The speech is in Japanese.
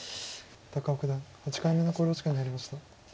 高尾九段８回目の考慮時間に入りました。